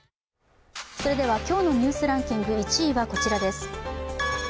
今日の「ニュースランキング」１位はこちらです。